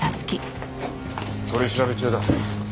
取調べ中だ。